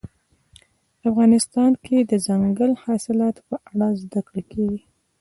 افغانستان کې د دځنګل حاصلات په اړه زده کړه کېږي.